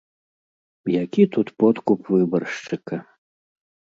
Які тут подкуп выбаршчыка?